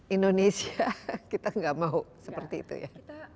indonesia kita nggak mau seperti itu ya